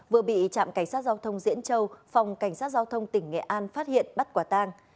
vừa bị trạm cảnh sát giao thông diễn châu phòng cảnh sát giao thông tỉnh nghệ an phát hiện bắt quả tang